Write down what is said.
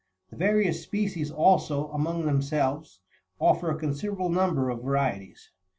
The various species also, among themselves, offer a considerable number of varieties.